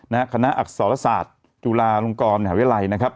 คณะอักษรศาสตร์จุฬาลงกรมหาวิทยาลัยนะครับ